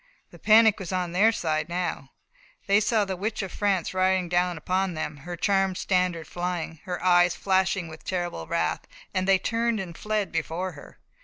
The panic was on their side now. They saw the Witch of France riding down upon them, her charmed standard flying, her eyes flashing with terrible wrath, and they turned and fled before her.